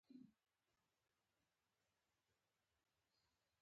وګړي د افغانستان د چاپیریال د مدیریت لپاره ډېر مهم دي.